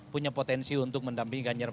punya potensi untuk mendampingkannya